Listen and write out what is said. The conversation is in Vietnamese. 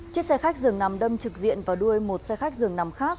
chiếc xe khách dừng nằm đâm trực diện và đuôi một xe khách dừng nằm khác